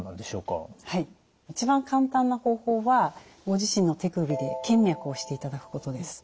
一番簡単な方法はご自身の手首で検脈をしていただくことです。